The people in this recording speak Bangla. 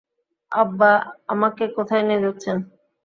আব্বা, আমাকে কোথায় নিয়ে যাচ্ছেন?